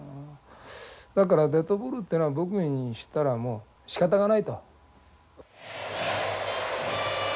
だからデッドボールっていうのは僕にしたらもうしかたがないと。